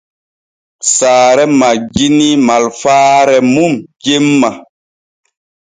Saare majjinii malfaare mum jemma.